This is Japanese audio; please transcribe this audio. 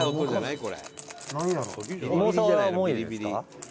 これ。